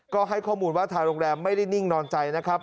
ก็ให้ข้อมูลว่าทางโรงแรมไม่ได้นิ่งนอนใจนะครับ